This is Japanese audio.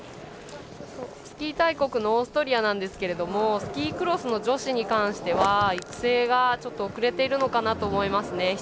スキー大国のオーストリアですがスキークロスの女子に関しては育成が遅れているのかなと思いますね。